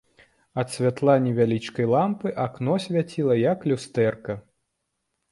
Ад святла невялічкай лямпы акно свяціла, як люстэрка.